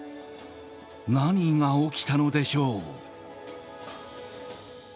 何が起きたのでしょう？